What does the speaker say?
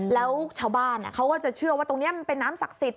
แล้วชาวบ้านเขาก็จะเชื่อว่าตรงนี้มันเป็นน้ำศักดิ์สิทธิ